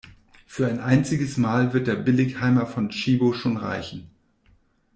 Für ein einziges Mal wird der Billigheimer von Tchibo schon reichen.